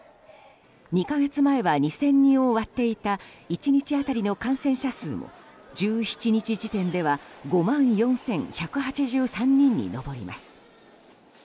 ２か月前は２０００人を割っていた１日当たりの感染者数も１７日時点では５万４１８３人に上ります。